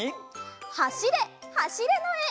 「はしれはしれ」のえ。